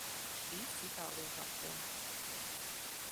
Īsts itāliešu akcents.